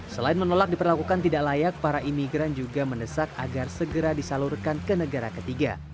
selain menolak diperlakukan tidak layak para imigran juga mendesak agar segera disalurkan ke negara ketiga